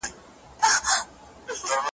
چي د سیمي اوسېدونکي ,